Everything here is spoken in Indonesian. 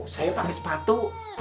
saya pake sepatu